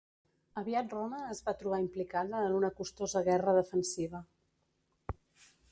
Aviat Roma es va trobar implicada en una costosa guerra defensiva.